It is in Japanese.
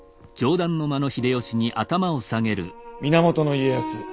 源家康